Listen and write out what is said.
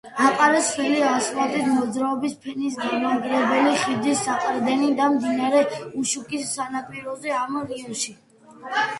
აყარეს სქელი ასფალტის მოძველებული ფენა, გაამაგრეს ხიდის საყრდენები და მდინარე უშაიკის სანაპიროები ამ რაიონში.